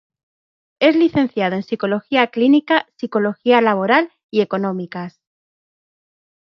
Es licenciado en Psicología Clínica, Psicología Laboral y Económicas.